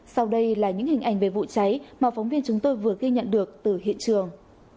sau đây là những hình ảnh về vụ cháy mà phóng viên chúng tôi vừa ghi nhận được từ hiện trường